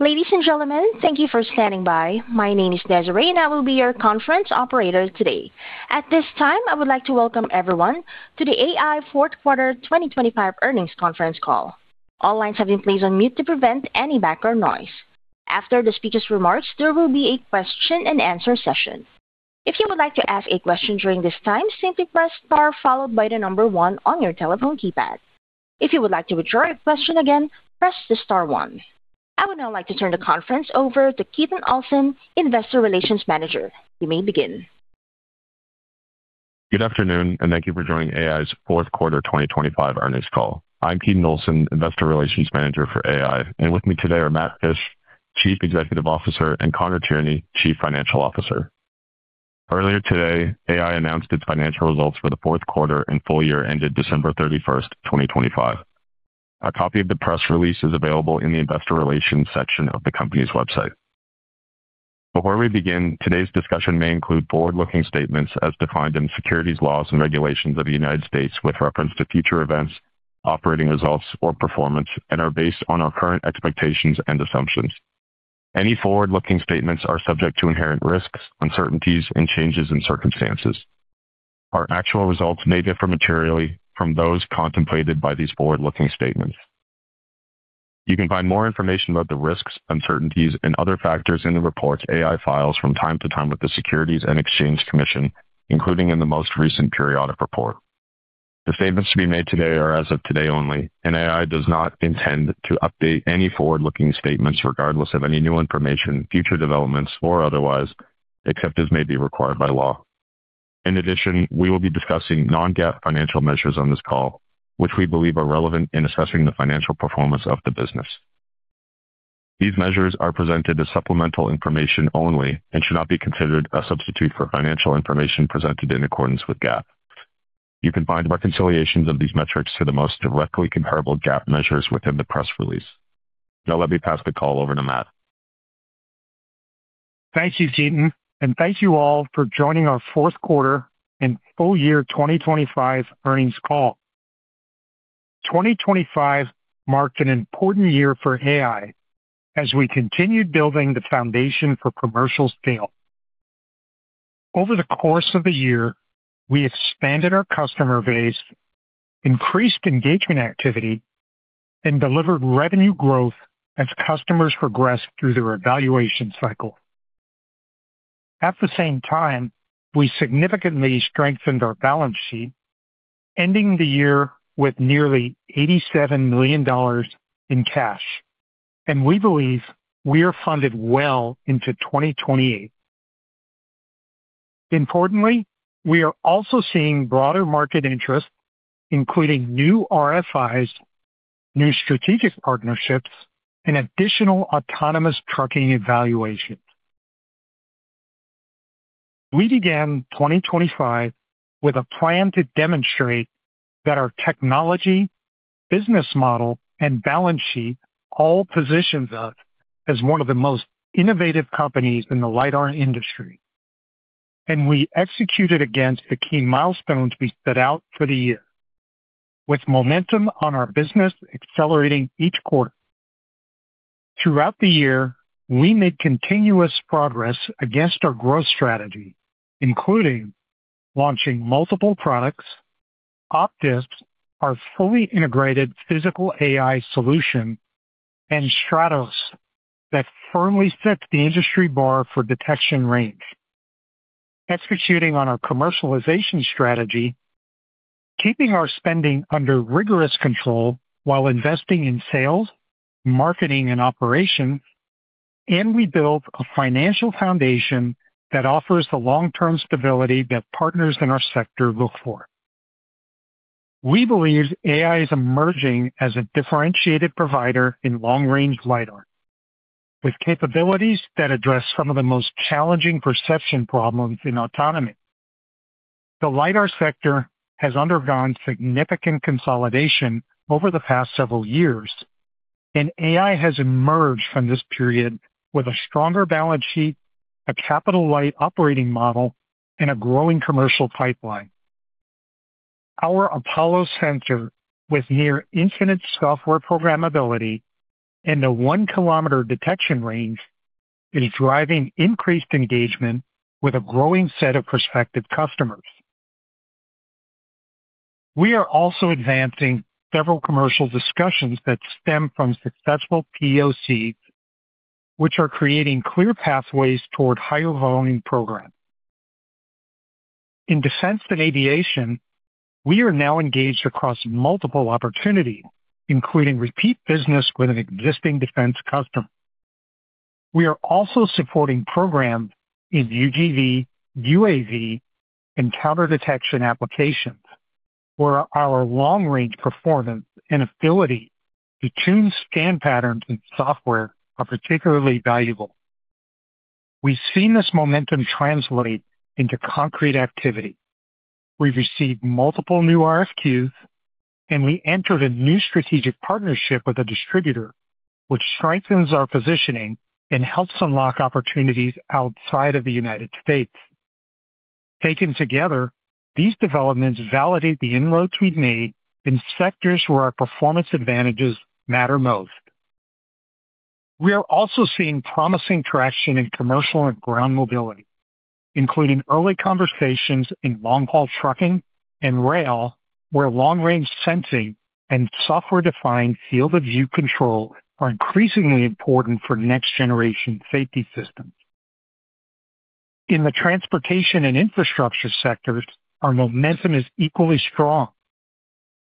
Ladies and gentlemen, thank you for standing by. My name is Desiree, and I will be your conference operator today. At this time, I would like to welcome everyone to the AEye fourth quarter 2025 earnings conference call. All lines have been placed on mute to prevent any background noise. After the speaker's remarks, there will be a question and answer session. If you would like to ask a question during this time, simply press Star followed by the number one on your telephone keypad. If you would like to withdraw your question again, press the star one. I would now like to turn the conference over to Keaton Olsen, Investor Relations Manager. You may begin. Good afternoon and thank you for joining AEye's fourth quarter 2025 earnings call. I'm Keaton Olsen, Investor Relations Manager for AEye. With me today are Matt Fisch, Chief Executive Officer, and Conor Tierney, Chief Financial Officer. Earlier today, AEye announced its financial results for the fourth quarter and full year ended December 31, 2025. A copy of the press release is available in the investor relations section of the company's website. Before we begin, today's discussion may include forward-looking statements as defined in securities laws and regulations of the United States with reference to future events, operating results or performance, and are based on our current expectations and assumptions. Any forward-looking statements are subject to inherent risks, uncertainties, and changes in circumstances. Our actual results may differ materially from those contemplated by these forward-looking statements. You can find more information about the risks, uncertainties, and other factors in the reports AEye files from time to time with the Securities and Exchange Commission, including in the most recent periodic report. The statements to be made today are as of today only, and AEye does not intend to update any forward-looking statements, regardless of any new information, future developments, or otherwise, except as may be required by law. In addition, we will be discussing non-GAAP financial measures on this call, which we believe are relevant in assessing the financial performance of the business. These measures are presented as supplemental information only and should not be considered a substitute for financial information presented in accordance with GAAP. You can find reconciliations of these metrics to the most directly comparable GAAP measures within the press release. Now let me pass the call over to Matt. Thank you, Keaton, and thank you all for joining our fourth quarter and full year 2025 earnings call. 2025 marked an important year for AEye as we continued building the foundation for commercial scale. Over the course of the year, we expanded our customer base, increased engagement activity, and delivered revenue growth as customers progressed through their evaluation cycle. At the same time, we significantly strengthened our balance sheet, ending the year with nearly $87 million in cash, and we believe we are funded well into 2028. Importantly, we are also seeing broader market interest, including new RFIs, new strategic partnerships, and additional autonomous trucking evaluations. We began 2025 with a plan to demonstrate that our technology, business model and balance sheet all position us as one of the most innovative companies in the lidar industry. We executed against the key milestones we set out for the year with momentum on our business accelerating each quarter. Throughout the year, we made continuous progress against our growth strategy, including launching multiple products, Optis, our fully integrated Physical AI solution, and Stratos that firmly set the industry bar for detection range. Executing on our commercialization strategy, keeping our spending under rigorous control while investing in sales, marketing, and operations. We built a financial foundation that offers the long-term stability that partners in our sector look for. We believe AEye is emerging as a differentiated provider in long-range lidar with capabilities that address some of the most challenging perception problems in autonomy. The lidar sector has undergone significant consolidation over the past several years, and AEye has emerged from this period with a stronger balance sheet, a capital light operating model, and a growing commercial pipeline. Our Apollo sensor with near infinite software programmability and a 1-km detection range is driving increased engagement with a growing set of prospective customers. We are also advancing several commercial discussions that stem from successful POCs, which are creating clear pathways toward higher volume programs. In defense and aviation, we are now engaged across multiple opportunities, including repeat business with an existing defense customer. We are also supporting programs in UGV, UAV, and counter detection applications where our long-range performance and ability to tune scan patterns and software are particularly valuable. We've seen this momentum translate into concrete activity. We've received multiple new RFQs and we entered a new strategic partnership with a distributor which strengthens our positioning and helps unlock opportunities outside of the United States. Taken together, these developments validate the inroads we've made in sectors where our performance advantages matter most. We are also seeing promising traction in commercial and ground mobility, including early conversations in long-haul trucking and rail, where long-range sensing and software-defined field of view control are increasingly important for next-generation safety systems. In the transportation and infrastructure sectors, our momentum is equally strong.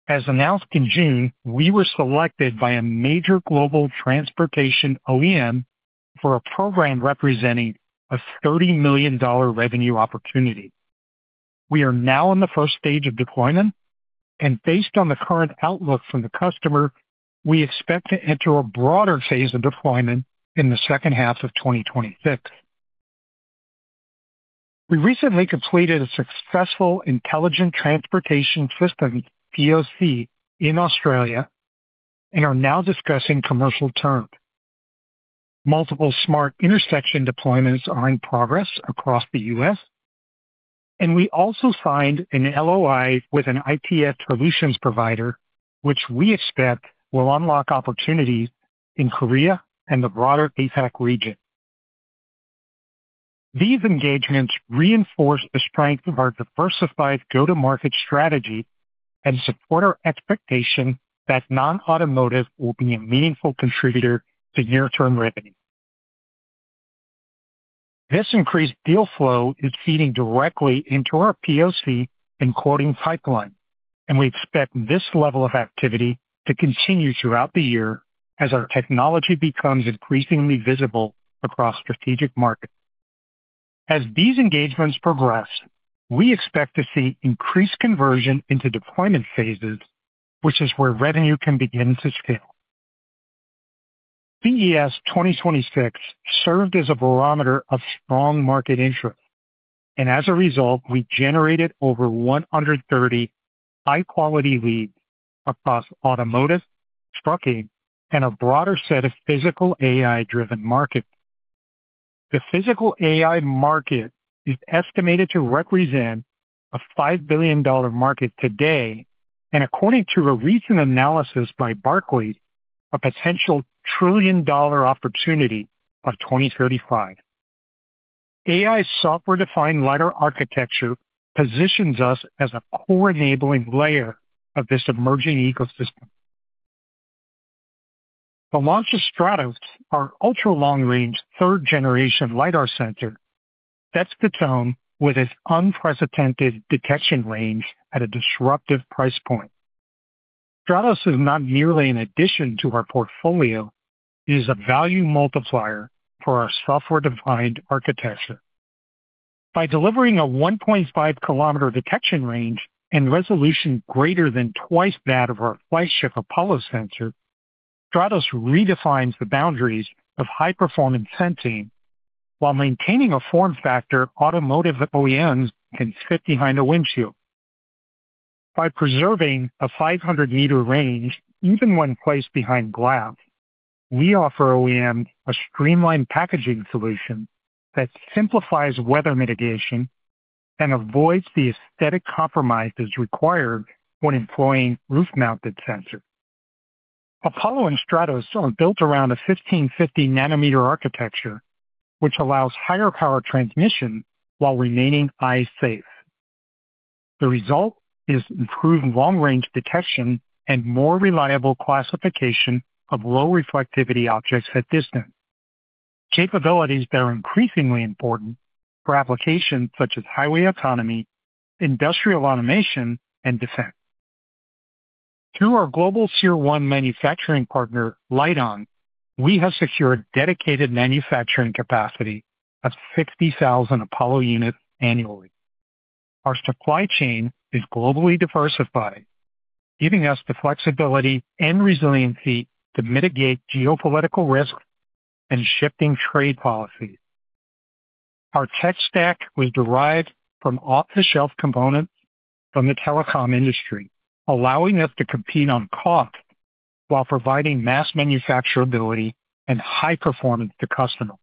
As announced in June, we were selected by a major global transportation OEM for a program representing a $30 million revenue opportunity. We are now in the first stage of deployment, and based on the current outlook from the customer, we expect to enter a broader phase of deployment in the second half of 2026. We recently completed a successful intelligent transportation system, POC, in Australia and are now discussing commercial terms. Multiple smart intersection deployments are in progress across the U.S., and we also signed an LOI with an ITS solutions provider, which we expect will unlock opportunities in Korea and the broader APAC region. These engagements reinforce the strength of our diversified Go-to-Market strategy and support our expectation that non-automotive will be a meaningful contributor to near-term revenue. This increased deal flow is feeding directly into our POC and quoting pipeline, and we expect this level of activity to continue throughout the year as our technology becomes increasingly visible across strategic markets. As these engagements progress, we expect to see increased conversion into deployment phases, which is where revenue can begin to scale. CES 2026 served as a barometer of strong market interest, and as a result, we generated over 130 high-quality leads across automotive, trucking, and a broader set of Physical AI-driven markets. The Physical AI market is estimated to represent a $5 billion market today, and according to a recent analysis by Barclay, a potential $1 trillion opportunity by 2035. AI software-defined lidar architecture positions us as a core enabling layer of this emerging ecosystem. Avalanche Stratos, our ultra-long-range third-generation lidar sensor, sets the tone with its unprecedented detection range at a disruptive price point. Stratos is not merely an addition to our portfolio, it is a value multiplier for our software-defined architecture. By delivering a 1.5 km detection range and resolution greater than twice that of our flagship Apollo sensor, Stratos redefines the boundaries of high-performance sensing while maintaining a form factor automotive OEMs can fit behind a windshield. By preserving a 500 meter range, even when placed behind glass, we offer OEMs a streamlined packaging solution that simplifies weather mitigation and avoids the aesthetic compromises required when employing roof-mounted sensors. Apollo and Stratos are built around a 1550 nanometer architecture, which allows higher power transmission while remaining eye safe. The result is improved long-range detection and more reliable classification of low reflectivity objects at distance, capabilities that are increasingly important for applications such as highway autonomy, industrial automation, and defense. Through our global tier one manufacturing partner, LITEON, we have secured dedicated manufacturing capacity of 60,000 Apollo units annually. Our supply chain is globally diversified, giving us the flexibility and resiliency to mitigate geopolitical risks and shifting trade policies. Our tech stack was derived from off-the-shelf components from the telecom industry, allowing us to compete on cost while providing mass manufacturability and high performance to customers.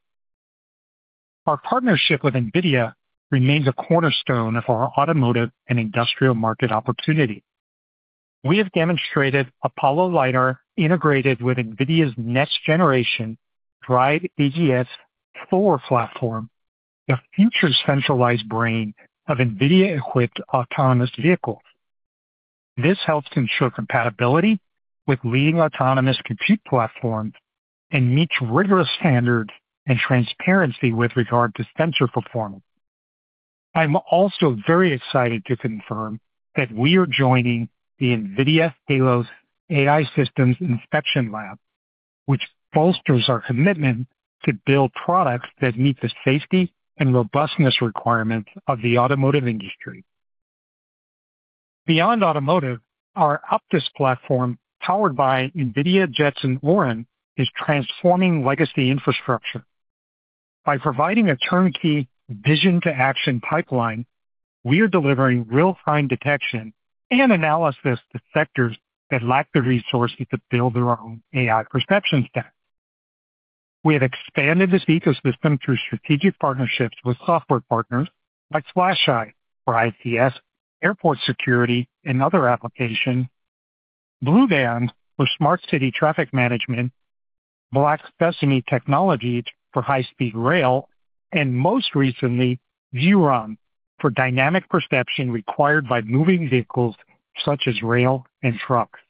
Our partnership with NVIDIA remains a cornerstone of our automotive and industrial market opportunity. We have demonstrated Apollo lidar integrated with NVIDIA's next-generation DRIVE AGX Thor platform, the future centralized brain of NVIDIA-equipped autonomous vehicles. This helps ensure compatibility with leading autonomous compute platforms and meets rigorous standards and transparency with regard to sensor performance. I'm also very excited to confirm that we are joining the NVIDIA Helios AI Systems Inspection Lab, which bolsters our commitment to build products that meet the safety and robustness requirements of the automotive industry. Beyond automotive, our OPTIS platform, powered by NVIDIA Jetson Orin, is transforming legacy infrastructure. By providing a turnkey vision to action pipeline, we are delivering real-time detection and analysis to sectors that lack the resources to build their own AI perception stack. We have expanded this ecosystem through strategic partnerships with software partners like FlashEye for ICS, airport security, and other applications, BlueVan for smart city traffic management, Black Specimen Technologies for high-speed rail, and most recently, Vueron for dynamic perception required by moving vehicles such as rail and trucks.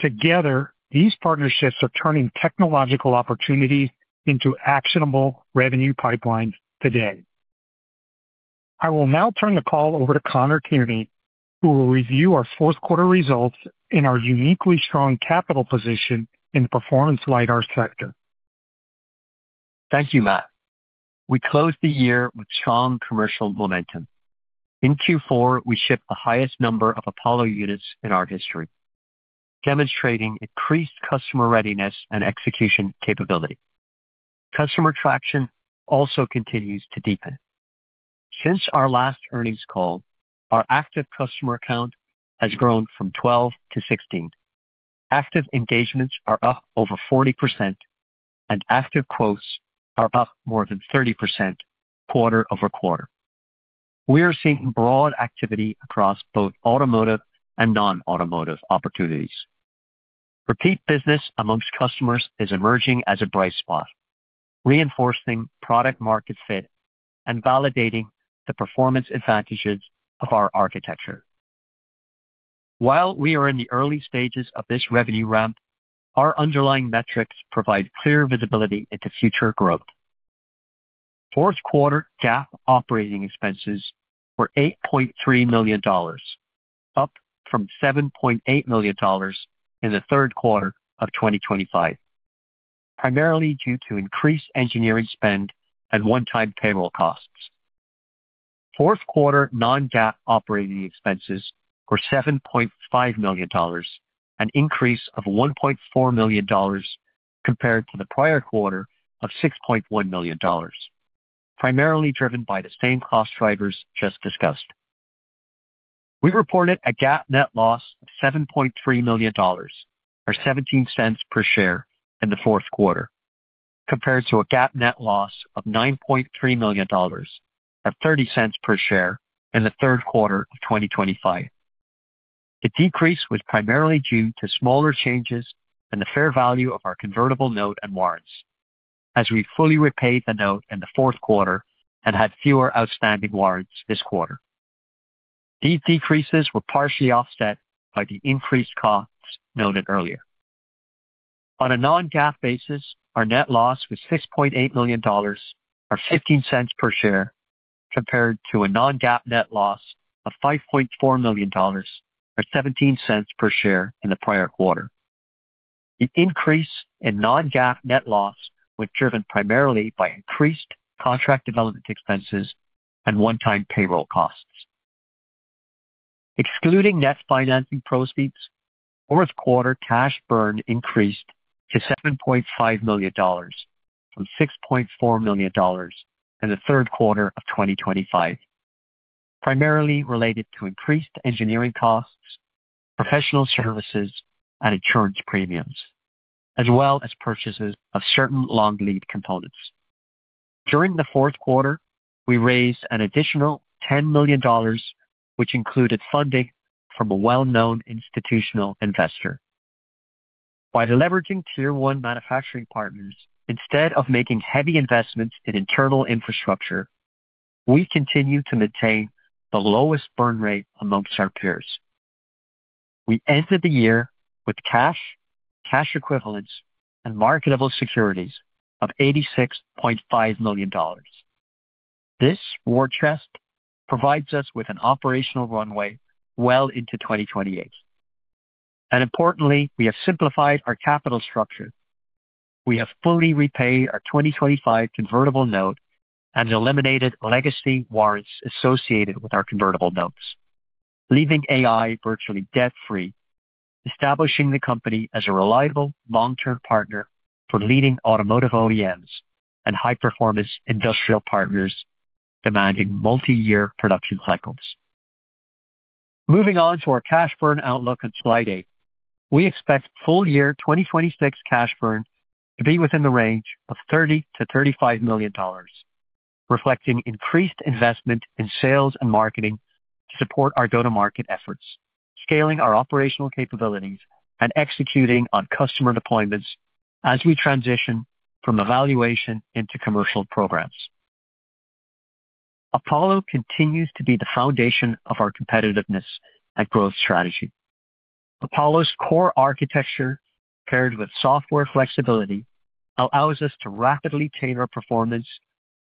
Together, these partnerships are turning technological opportunities into actionable revenue pipelines today. I will now turn the call over to Conor Tierney, who will review our fourth quarter results in our uniquely strong capital position in the performance lidar sector. Thank you, Matt. We closed the year with strong commercial momentum. In Q4, we shipped the highest number of Apollo units in our history, demonstrating increased customer readiness and execution capability. Customer traction also continues to deepen. Since our last earnings call, our active customer count has grown from 12-16. Active engagements are up over 40%, and active quotes are up more than 30% quarter-over-quarter. We are seeing broad activity across both automotive and non-automotive opportunities. Repeat business amongst customers is emerging as a bright spot, reinforcing product market fit and validating the performance advantages of our architecture. While we are in the early stages of this revenue ramp, our underlying metrics provide clear visibility into future growth. Fourth quarter GAAP operating expenses were $8.3 million, up from $7.8 million in the third quarter of 2025, primarily due to increased engineering spend and one-time payroll costs. Fourth quarter non-GAAP operating expenses were $7.5 million, an increase of $1.4 million compared to the prior quarter of $6.1 million, primarily driven by the same cost drivers just discussed. We reported a GAAP net loss of $7.3 million, or $0.17 per share in the fourth quarter, compared to a GAAP net loss of $9.3 million at $0.30 per share in the third quarter of 2025. The decrease was primarily due to smaller changes in the fair value of our convertible note and warrants as we fully repaid the note in the fourth quarter and had fewer outstanding warrants this quarter. These decreases were partially offset by the increased costs noted earlier. On a non-GAAP basis, our net loss was $6.8 million, or $0.15 per share, compared to a non-GAAP net loss of $5.4 million, or $0.17 per share in the prior quarter. The increase in non-GAAP net loss was driven primarily by increased contract development expenses and one-time payroll costs. Excluding net financing proceeds, fourth quarter cash burn increased to $7.5 million from $6.4 million in the third quarter of 2025, primarily related to increased engineering costs, professional services, and insurance premiums, as well as purchases of certain long lead components. During the fourth quarter, we raised an additional $10 million, which included funding from a well-known institutional investor. By leveraging tier one manufacturing partners instead of making heavy investments in internal infrastructure, we continue to maintain the lowest burn rate amongst our peers. We ended the year with cash equivalents, and marketable securities of $86.5 million. This war chest provides us with an operational runway well into 2028. Importantly, we have simplified our capital structure. We have fully repaid our 2025 convertible note and eliminated legacy warrants associated with our convertible notes, leaving AEye virtually debt-free, establishing the company as a reliable long-term partner for leading automotive OEMs and high-performance industrial partners demanding multi-year production cycles. Moving on to our cash burn outlook on slide eight. We expect full year 2026 cash burn to be within the range of $30 million-$35 million, reflecting increased investment in sales and marketing to support our Go-to-Market efforts, scaling our operational capabilities, and executing on customer deployments as we transition from evaluation into commercial programs. Apollo continues to be the foundation of our competitiveness and growth strategy. Apollo's core architecture, paired with software flexibility, allows us to rapidly tailor performance,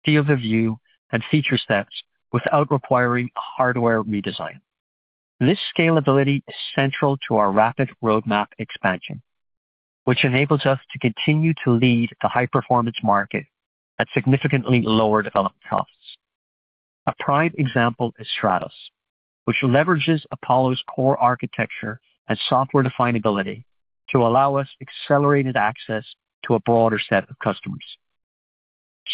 field of view, and feature sets without requiring a hardware redesign. This scalability is central to our rapid roadmap expansion, which enables us to continue to lead the high-performance market at significantly lower development costs. A prime example is Stratos, which leverages Apollo's core architecture and software definability to allow us accelerated access to a broader set of customers.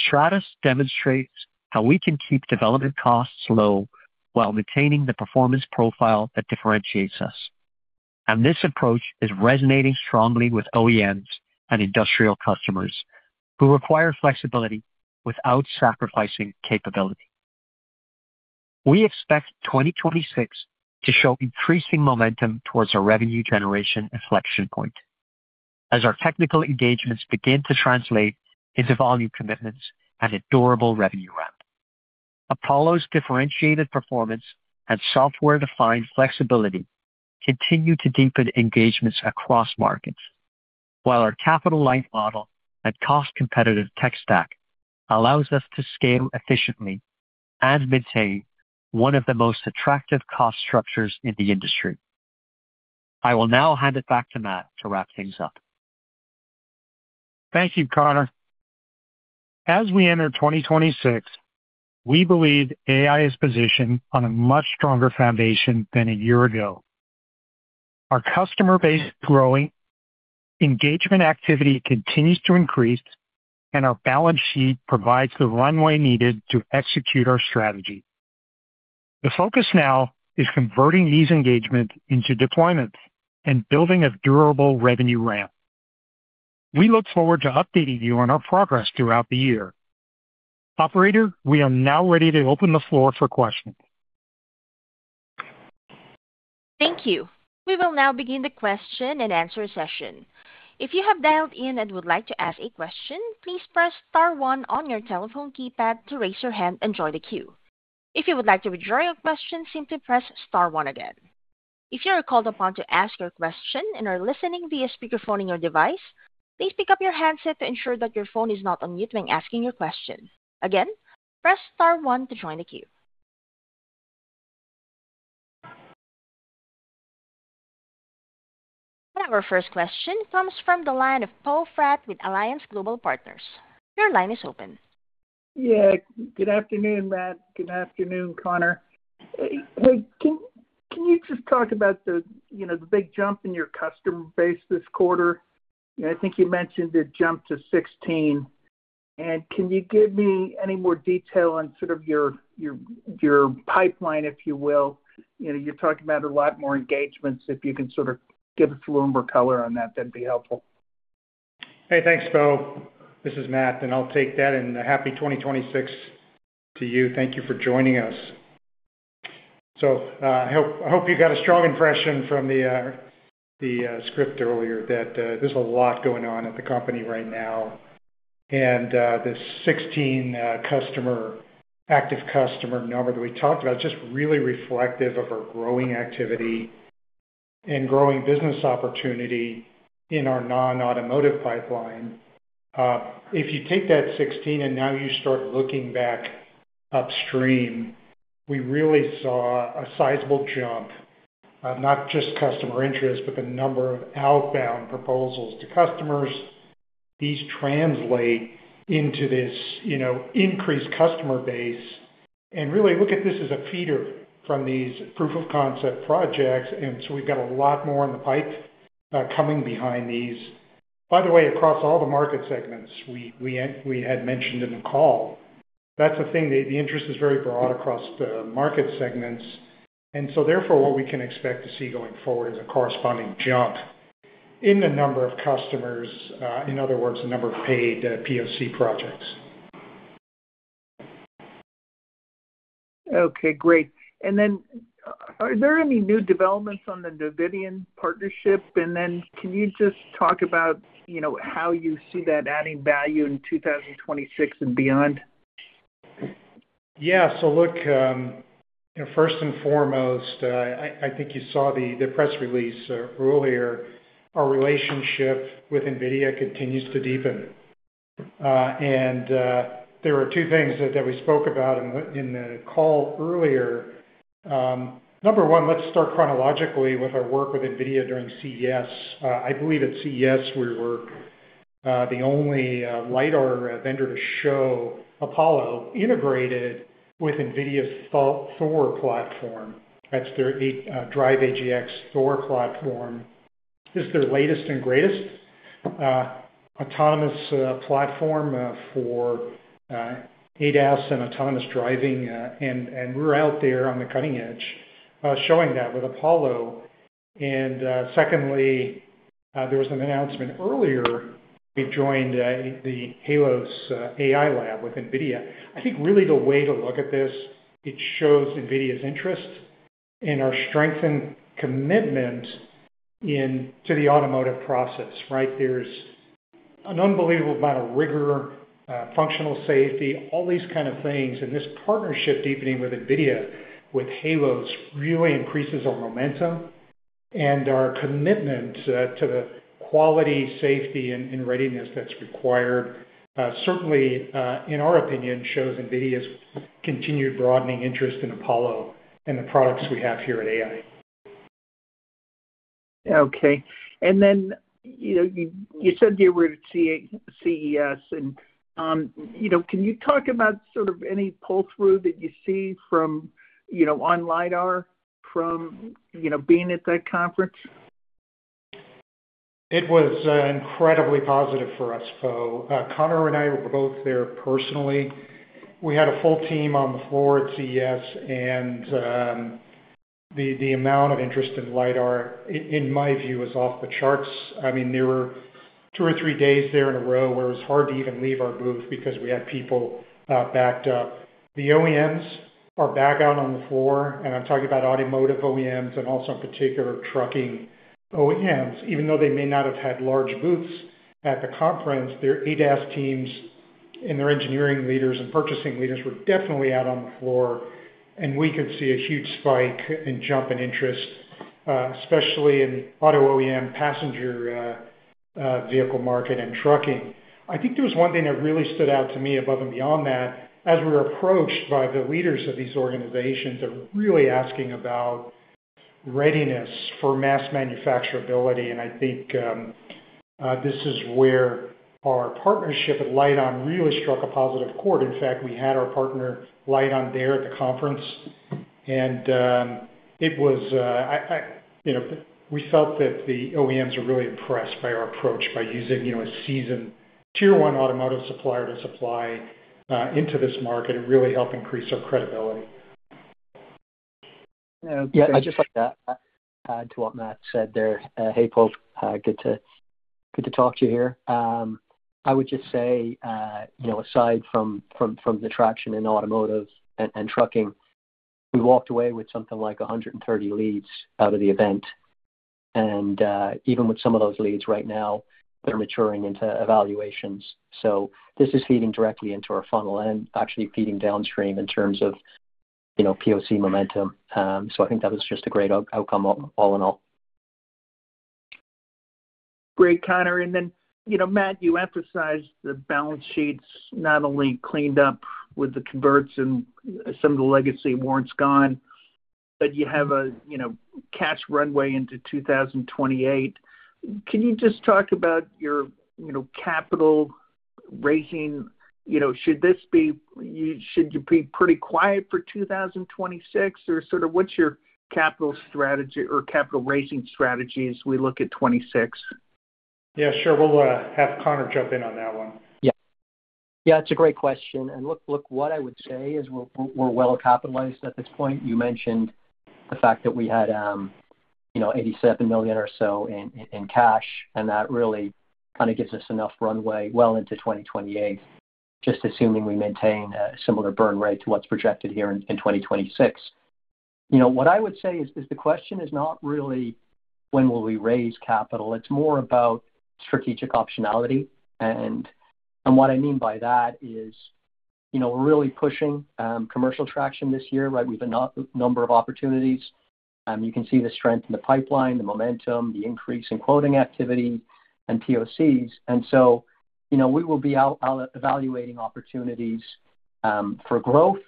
Stratos demonstrates how we can keep development costs low while retaining the performance profile that differentiates us. This approach is resonating strongly with OEMs and industrial customers who require flexibility without sacrificing capability. We expect 2026 to show increasing momentum towards a revenue generation inflection point as our technical engagements begin to translate into volume commitments and a durable revenue ramp. Apollo's differentiated performance and software-defined flexibility continue to deepen engagements across markets, while our capital-light model and cost-competitive tech stack allows us to scale efficiently and maintain one of the most attractive cost structures in the industry. I will now hand it back to Matt to wrap things up. Thank you, Conor. As we enter 2026, we believe AI is positioned on a much stronger foundation than a year ago. Our customer base is growing, engagement activity continues to increase, and our balance sheet provides the runway needed to execute our strategy. The focus now is converting these engagements into deployments and building a durable revenue ramp. We look forward to updating you on our progress throughout the year. Operator, we are now ready to open the floor for questions. Thank you. We will now begin the question and answer session. If you have dialed in and would like to ask a question, please press star one on your telephone keypad to raise your hand and join the queue. If you would like to withdraw your question, simply press star one again. If you are called upon to ask your question and are listening via speakerphone in your device, please pick up your handset to ensure that your phone is not on mute when asking your question. Again, press star one to join the queue. Our first question comes from the line of Poe Fratt with Alliance Global Partners. Your line is open. Yeah, good afternoon, Matt. Good afternoon, Conor. Hey, can you just talk about the, you know, the big jump in your customer base this quarter? I think you mentioned it jumped to 16. Can you give me any more detail on sort of your pipeline, if you will? You know, you're talking about a lot more engagements. If you can sort of give us a little more color on that'd be helpful. Hey, thanks, Poe. This is Matt, and I'll take that. Happy 2026 to you. Thank you for joining us. I hope you got a strong impression from the script earlier that there's a lot going on at the company right now. This 16 active customer number that we talked about is just really reflective of our growing activity and growing business opportunity in our non-automotive pipeline. If you take that 16 and now you start looking back upstream, we really saw a sizable jump of not just customer interest, but the number of outbound proposals to customers. These translate into this, you know, increased customer base. Really look at this as a feeder from these proof of concept projects, and so we've got a lot more in the pipe coming behind these. By the way, across all the market segments we had mentioned in the call, that's a thing. The interest is very broad across the market segments. Therefore, what we can expect to see going forward is a corresponding jump in the number of customers, in other words, the number of paid POC projects. Okay, great. Are there any new developments on the NVIDIA partnership? Can you just talk about, you know, how you see that adding value in 2026 and beyond? Yeah. Look, you know, first and foremost, I think you saw the press release earlier. Our relationship with NVIDIA continues to deepen. There are two things that we spoke about in the call earlier. Number one, let's start chronologically with our work with NVIDIA during CES. I believe at CES we were the only lidar vendor to show Apollo integrated with NVIDIA's Thor platform. That's their DRIVE AGX Thor platform. It's their latest and greatest autonomous platform for ADAS and autonomous driving. We're out there on the cutting edge, showing that with Apollo. Secondly, there was an announcement earlier. We've joined the Helios AI lab with NVIDIA. I think really the way to look at this, it shows NVIDIA's interest and our strength and commitment into the automotive process, right? There's an unbelievable amount of rigor, functional safety, all these kind of things. This partnership deepening with NVIDIA, with Helios, really increases our momentum and our commitment to the quality, safety, and readiness that's required. Certainly, in our opinion, shows NVIDIA's continued broadening interest in Apollo and the products we have here at AEye. Okay. You know, you said you were at CES and, you know, can you talk about sort of any pull-through that you see from, you know, on lidar from, you know, being at that conference? It was incredibly positive for us, Poe. Conor and I were both there personally. We had a full team on the floor at CES, and the amount of interest in lidar in my view was off the charts. I mean, there were two or three days there in a row where it was hard to even leave our booth because we had people backed up. The OEMs are back out on the floor, and I'm talking about automotive OEMs and also in particular trucking OEMs. Even though they may not have had large booths at the conference, their ADAS teams and their engineering leaders and purchasing leaders were definitely out on the floor, and we could see a huge spike and jump in interest, especially in auto OEM passenger vehicle market and trucking. I think there was one thing that really stood out to me above and beyond that as we were approached by the leaders of these organizations are really asking about readiness for mass manufacturability. I think this is where our partnership at LITEON really struck a positive chord. In fact, we had our partner LITEON there at the conference, and it was you know we felt that the OEMs were really impressed by our approach by using you know a seasoned tier one automotive supplier to supply into this market. It really helped increase our credibility. Yeah. I'd just like to add to what Matt said there. Hey, Poe. Good to talk to you here. I would just say, you know, aside from the traction in automotive and trucking, we walked away with something like 130 leads out of the event. Even with some of those leads right now, they're maturing into evaluations. This is feeding directly into our funnel and actually feeding downstream in terms of, you know, POC momentum. I think that was just a great outcome all in all. Great, Conor. You know, Matt, you emphasized the balance sheets not only cleaned up with the converts and some of the legacy warrants gone, but you have a, you know, cash runway into 2028. Can you just talk about your, you know, capital raising? You know, should you be pretty quiet for 2026? Or sort of what's your capital strategy or capital raising strategy as we look at 2026? Yeah, sure. We'll have Conor jump in on that one. Yeah. Yeah, it's a great question. Look, what I would say is we're well capitalized at this point. You mentioned the fact that we had, you know, $87 million or so in cash, and that really kind of gives us enough runway well into 2028, just assuming we maintain a similar burn rate to what's projected here in 2026. You know, what I would say is the question is not really when will we raise capital, it's more about strategic optionality. What I mean by that is, you know, we're really pushing commercial traction this year, right? We have a number of opportunities. You can see the strength in the pipeline, the momentum, the increase in quoting activity and POCs. You know, we will be out evaluating opportunities for growth.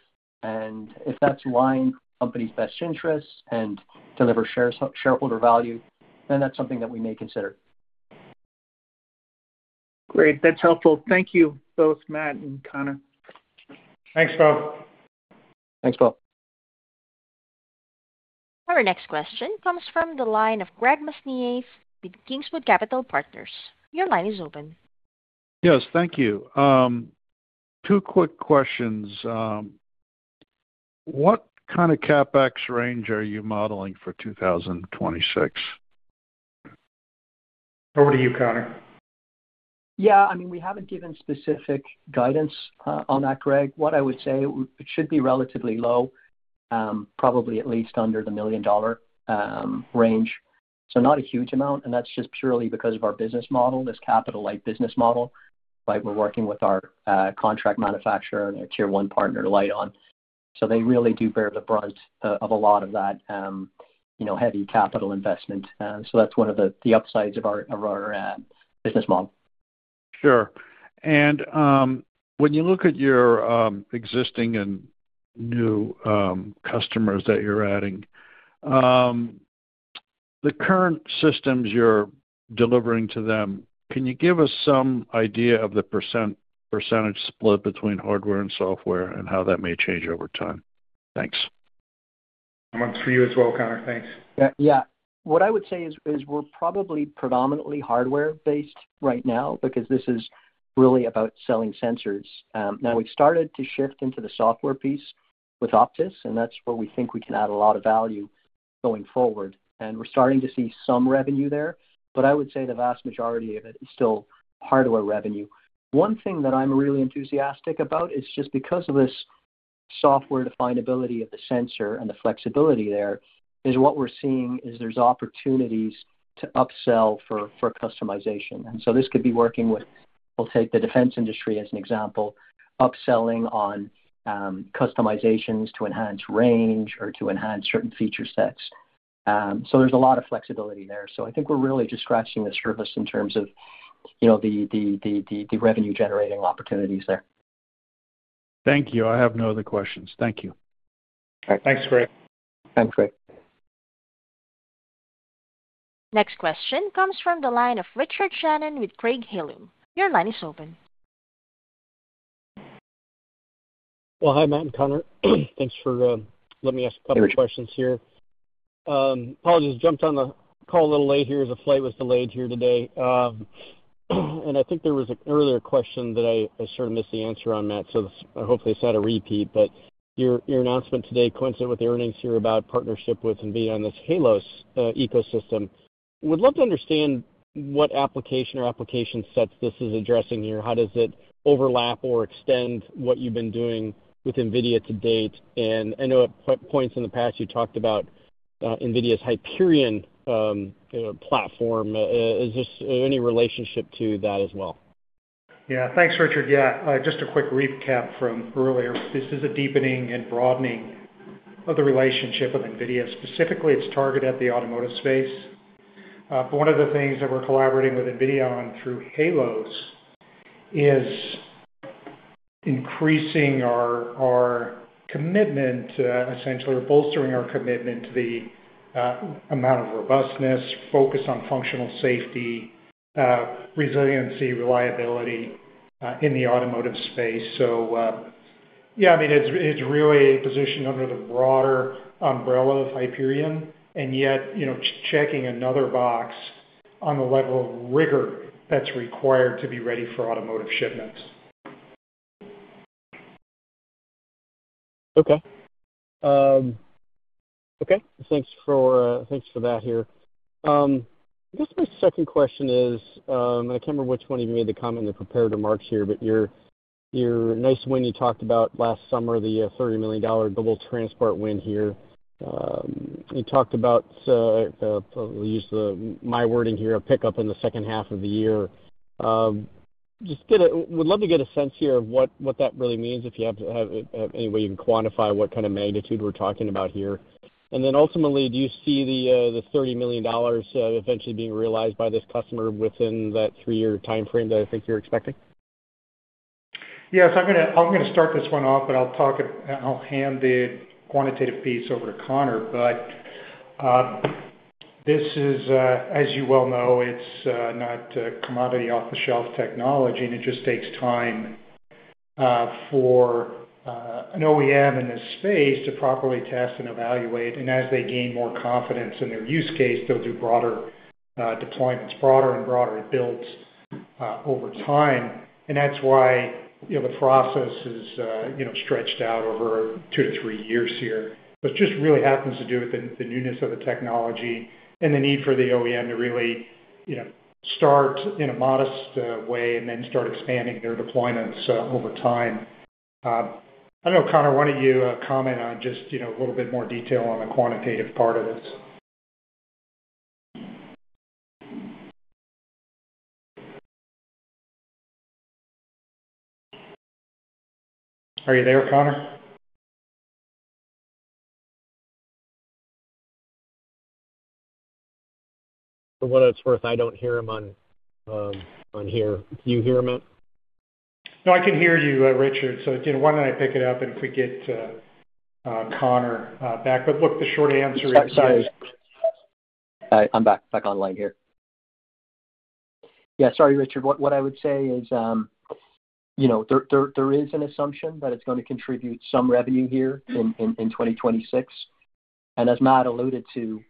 If that's in line with the company's best interests and delivers shareholder value, then that's something that we may consider. Great. That's helpful. Thank you both, Matt and Conor. Thanks, Poe. Thanks, Poe. Our next question comes from the line of Greg Mesniaeff with Kingswood Capital Partners. Your line is open. Yes. Thank you. Two quick questions. What kind of CapEx range are you modeling for 2026? Over to you, Conor. Yeah, I mean, we haven't given specific guidance on that, Greg. What I would say, it should be relatively low, probably at least under the $1 million range. Not a huge amount. That's just purely because of our business model, this capital light business model. We're working with our contract manufacturer and our tier one partner, LITEON. They really do bear the brunt of a lot of that, you know, heavy capital investment. That's one of the upsides of our business model. Sure. When you look at your existing and new customers that you're adding, the current systems you're delivering to them, can you give us some idea of the percentage split between hardware and software and how that may change over time? Thanks. One for you as well, Conor. Thanks. Yeah. Yeah. What I would say is we're probably predominantly hardware-based right now because this is really about selling sensors. Now we've started to shift into the software piece with Optis, and that's where we think we can add a lot of value going forward. We're starting to see some revenue there, but I would say the vast majority of it is still hardware revenue. One thing that I'm really enthusiastic about is just because of this software definability of the sensor and the flexibility there, is what we're seeing is there's opportunities to upsell for customization. This could be working with, we'll take the defense industry as an example, upselling on customizations to enhance range or to enhance certain feature sets. So there's a lot of flexibility there. I think we're really just scratching the surface in terms of, you know, the revenue generating opportunities there. Thank you. I have no other questions. Thank you. Thanks, Greg. Thanks, Greg. Next question comes from the line of Richard Shannon with Craig-Hallum. Your line is open. Well, hi, Matt and Conor. Thanks for letting me ask- Richard A couple of questions here. Apologies, jumped on the call a little late here. The flight was delayed here today. I think there was an earlier question that I sort of missed the answer on, Matt, so hopefully it's not a repeat. Your announcement today coincident with the earnings here about partnership with NVIDIA on this Helios ecosystem. Would love to understand what application or application sets this is addressing here. How does it overlap or extend what you've been doing with NVIDIA to date? I know at points in the past you talked about NVIDIA's Hyperion platform. Is this any relationship to that as well? Yeah. Thanks, Richard. Yeah, just a quick recap from earlier. This is a deepening and broadening of the relationship with NVIDIA. Specifically, it's targeted at the automotive space. But one of the things that we're collaborating with NVIDIA on through Helios is increasing our commitment, essentially bolstering our commitment to the amount of robustness, focus on functional safety, resiliency, reliability, in the automotive space. Yeah, I mean, it's really positioned under the broader umbrella of Hyperion, and yet, you know, checking another box on the level of rigor that's required to be ready for automotive shipments. Okay. Thanks for that here. I guess my second question is. I can't remember which one of you made the comment to prepare to market here, but your nice win you talked about last summer, the $30 million global transport win here. You talked about my wording here, a pickup in the second half of the year. Would love to get a sense here of what that really means, if you have any way you can quantify what kind of magnitude we're talking about here. Then ultimately, do you see the $30 million eventually being realized by this customer within that three-year timeframe that I think you're expecting? Yeah, I'm gonna start this one off, but I'll hand the quantitative piece over to Conor. This is, as you well know, it's not a commodity off-the-shelf technology, and it just takes time for an OEM in this space to properly test and evaluate. As they gain more confidence in their use case, they'll do broader deployments, broader and broader builds over time. That's why, you know, the process is, you know, stretched out over 2-3 years here. It just really happens to do with the newness of the technology and the need for the OEM to really, you know, start in a modest way and then start expanding their deployments over time. I know Conor wanted you to comment on just, you know, a little bit more detail on the quantitative part of this. Are you there, Conor? For what it's worth, I don't hear him on here. Do you hear him, Matt? No, I can hear you, Richard. Again, why don't I pick it up and if we get, Conor, back. Look, the short answer is- Sorry. Hi. I'm back online here. Yeah, sorry, Richard. What I would say is, you know, there is an assumption that it's gonna contribute some revenue here in 2026. As Matt alluded to,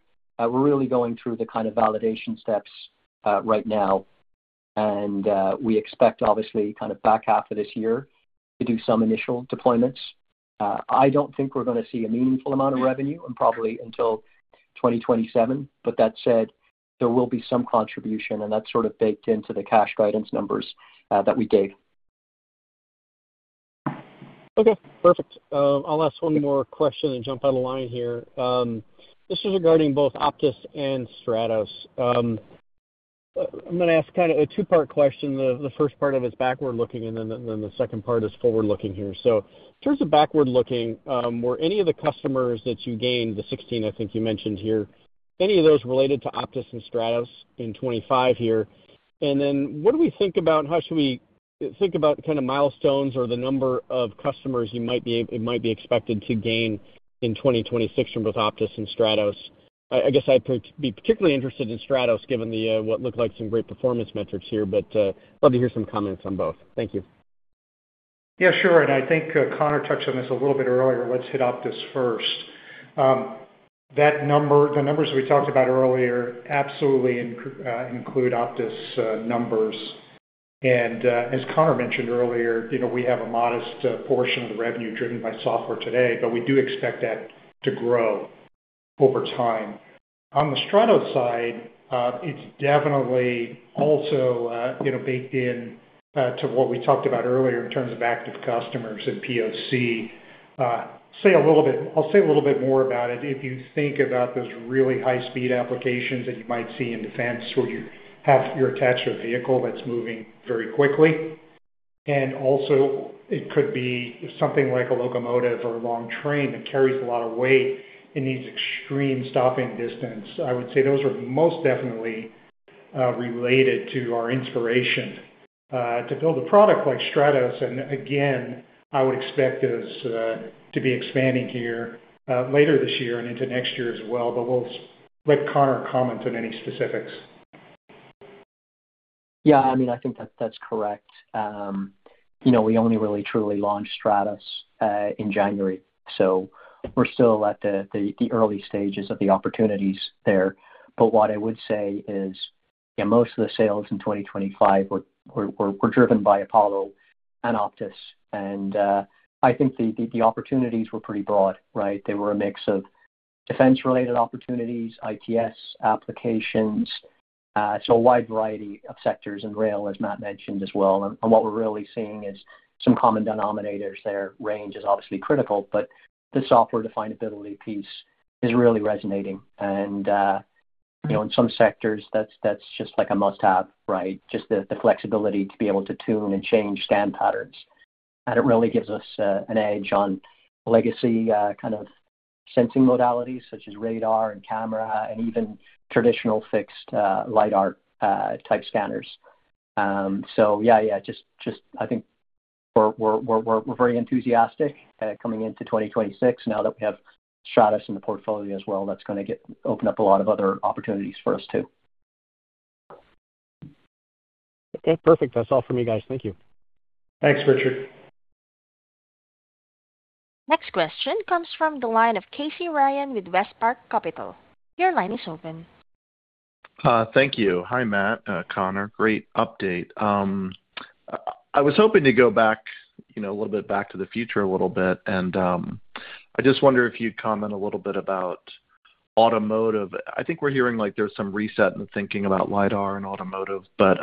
we're really going through the kind of validation steps right now, and we expect obviously kind of back half of this year to do some initial deployments. I don't think we're gonna see a meaningful amount of revenue and probably until 2027. That said, there will be some contribution, and that's sort of baked into the cash guidance numbers that we gave. Okay, perfect. I'll ask one more question and jump out of line here. This is regarding both Optis and Stratos. I'm gonna ask kinda a two-part question. The first part of it's backward-looking, and then the second part is forward-looking here. In terms of backward-looking, were any of the customers that you gained, the 16 I think you mentioned here, any of those related to Optis and Stratos in 2025 here? And then what do we think about and how should we think about the kinda milestones or the number of customers it might be expected to gain in 2026 from both Optis and Stratos? I guess I'd particularly interested in Stratos given what looked like some great performance metrics here, but love to hear some comments on both. Thank you. Yeah, sure, I think Conor touched on this a little bit earlier. Let's hit Optis first. The numbers we talked about earlier absolutely include Optis numbers. As Conor mentioned earlier, you know, we have a modest portion of the revenue driven by software today, but we do expect that to grow over time. On the Stratos side, it's definitely also, you know, baked in, to what we talked about earlier in terms of active customers and POC. I'll say a little bit more about it. If you think about those really high-speed applications that you might see in defense, where you're attached to a vehicle that's moving very quickly, and also it could be something like a locomotive or a long train that carries a lot of weight and needs extreme stopping distance. I would say those are most definitely related to our inspiration to build a product like Stratos. Again, I would expect us to be expanding here later this year and into next year as well. We'll let Conor comment on any specifics. Yeah, I mean, I think that's correct. You know, we only really truly launched Stratos in January, so we're still at the early stages of the opportunities there. What I would say is, yeah, most of the sales in 2025 were driven by Apollo and Optis. I think the opportunities were pretty broad, right? They were a mix of defense related opportunities, ITS applications, so a wide variety of sectors, and rail, as Matt mentioned as well. What we're really seeing is some common denominators there. Range is obviously critical, but the software definability piece is really resonating. You know, in some sectors, that's just like a must-have, right? Just the flexibility to be able to tune and change scan patterns. It really gives us an edge on legacy kind of sensing modalities such as radar and camera and even traditional fixed lidar type scanners. Yeah, just I think we're very enthusiastic coming into 2026 now that we have Stratos in the portfolio as well. That's gonna open up a lot of other opportunities for us too. Okay, perfect. That's all for me, guys. Thank you. Thanks, Richard. Next question comes from the line of Casey Ryan with WestPark Capital. Your line is open. Thank you. Hi, Matt, Conor. Great update. I was hoping to go back, you know, a little bit back to the future a little bit, and I just wonder if you'd comment a little bit about automotive. I think we're hearing like there's some reset in the thinking about lidar and automotive, but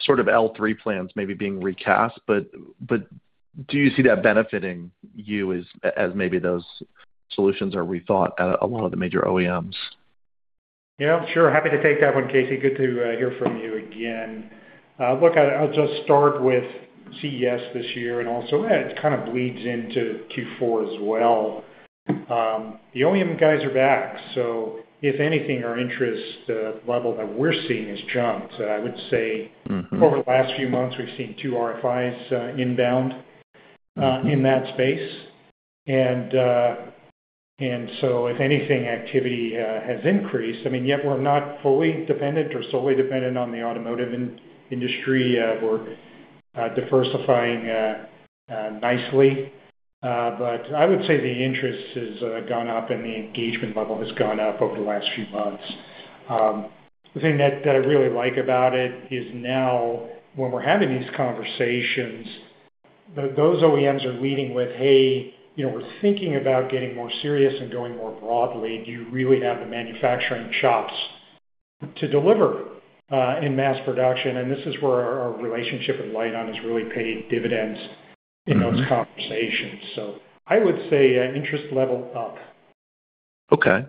sort of L3 plans maybe being recast. But do you see that benefiting you as maybe those solutions are rethought at a lot of the major OEMs? Yeah, sure. Happy to take that one, Casey. Good to hear from you again. Look, I'll just start with CES this year and also it kind of bleeds into Q4 as well. The OEM guys are back, so if anything, our interest level that we're seeing has jumped. I would say. Mm-hmm. Over the last few months, we've seen two RFIs inbound in that space. If anything, activity has increased. I mean, yet we're not fully dependent or solely dependent on the automotive industry. We're diversifying nicely. I would say the interest has gone up and the engagement level has gone up over the last few months. The thing that I really like about it is now when we're having these conversations, those OEMs are leading with, "Hey, you know, we're thinking about getting more serious and going more broadly. Do you really have the manufacturing chops to deliver in mass production?" This is where our relationship with LITEON is really paying dividends. Mm-hmm. In those conversations. I would say, interest level up. Okay.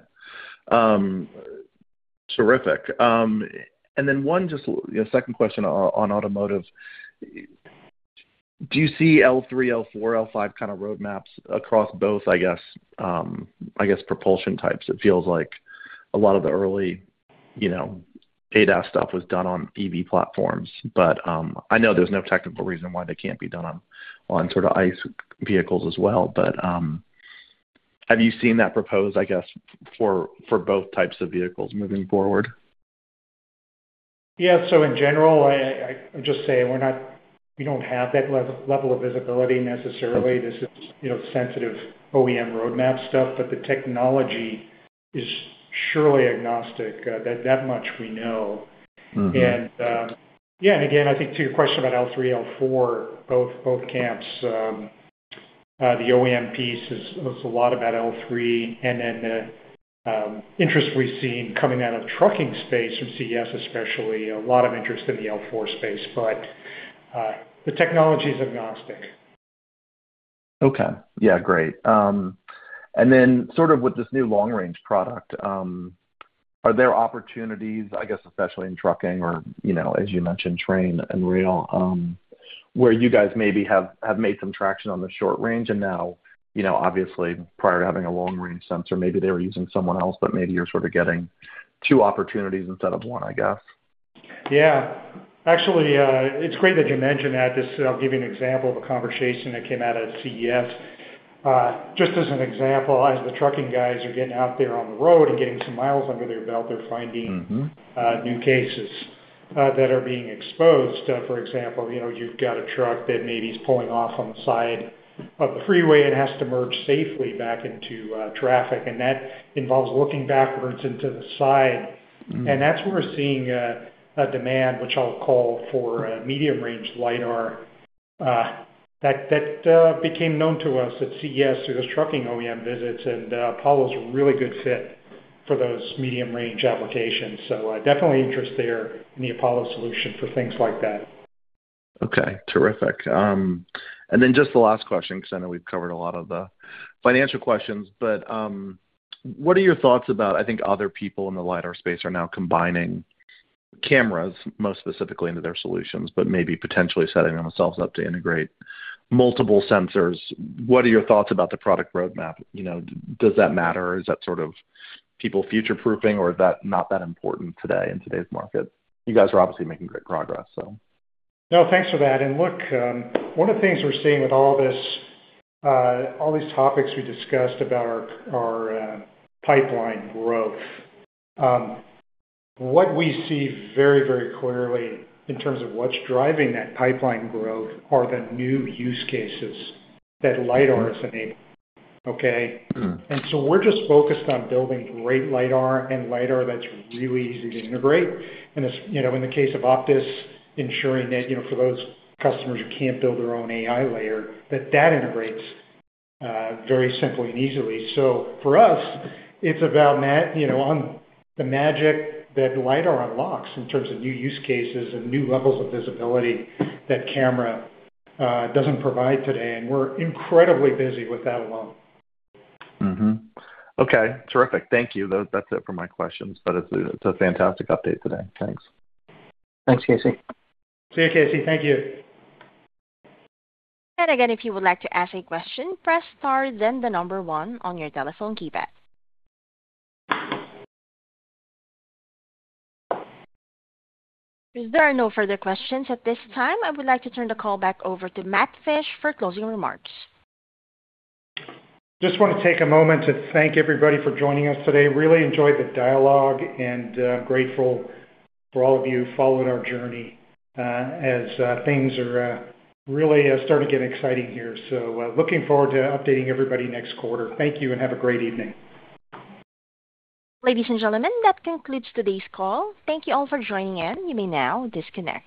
Terrific. One just, you know, second question on automotive. Do you see L3, L4, L5 kind of roadmaps across both, I guess, propulsion types? It feels like a lot of the early, you know, ADAS stuff was done on EV platforms. I know there's no technical reason why they can't be done on sort of ICE vehicles as well. Have you seen that proposed, I guess, for both types of vehicles moving forward? Yeah. In general, I just say we don't have that level of visibility necessarily. This is, you know, sensitive OEM roadmap stuff. But the technology is surely agnostic. That much we know. Mm-hmm. I think to your question about L3, L4, both camps, the OEM piece was a lot about L3. Then the interest we've seen coming out of trucking space from CES especially, a lot of interest in the L4 space. The technology is agnostic. Okay. Yeah, great. Sort of with this new long-range product, are there opportunities, I guess, especially in trucking or, you know, as you mentioned, train and rail, where you guys maybe have made some traction on the short range and now, you know, obviously prior to having a long-range sensor, maybe they were using someone else, but maybe you're sort of getting two opportunities instead of one, I guess. Yeah. Actually, it's great that you mention that. Just I'll give you an example of a conversation that came out of CES. Just as an example, as the trucking guys are getting out there on the road and getting some miles under their belt, they're finding. Mm-hmm. new cases that are being exposed. For example, you know, you've got a truck that maybe is pulling off on the side of the freeway and has to merge safely back into traffic, and that involves looking backwards into the side. Mm-hmm. That's where we're seeing a demand which I'll call for a medium-range lidar. That became known to us at CES through those trucking OEM visits, and Apollo's a really good fit for those medium-range applications. Definitely interest there in the Apollo solution for things like that. Okay. Terrific. Just the last question, 'cause I know we've covered a lot of the financial questions, but, what are your thoughts about, I think other people in the lidar space are now combining cameras, most specifically into their solutions, but maybe potentially setting themselves up to integrate multiple sensors. What are your thoughts about the product roadmap? You know, does that matter? Is that sort of people future-proofing or is that not that important today in today's market? You guys are obviously making great progress, so. No, thanks for that. Look, one of the things we're seeing with all this, all these topics we discussed about our pipeline growth, what we see very, very clearly in terms of what's driving that pipeline growth are the new use cases that lidar is enabling, okay? Mm-hmm. We're just focused on building great lidar and lidar that's really easy to integrate. It's, you know, in the case of Optis, ensuring that, you know, for those customers who can't build their own AI layer, that integrates very simply and easily. For us, it's about you know, on the magic that lidar unlocks in terms of new use cases and new levels of visibility that camera doesn't provide today. We're incredibly busy with that alone. Okay. Terrific. Thank you. That's it for my questions, but it's a fantastic update today. Thanks. Thanks, Casey. See you, Casey. Thank you. Again, if you would like to ask a question, press star then the number one on your telephone keypad. If there are no further questions at this time, I would like to turn the call back over to Matt Fisch for closing remarks. Just wanna take a moment to thank everybody for joining us today. Really enjoyed the dialogue, and grateful for all of you following our journey, as things are really starting to get exciting here. Looking forward to updating everybody next quarter. Thank you and have a great evening. Ladies and gentlemen, that concludes today's call. Thank you all for joining in. You may now disconnect.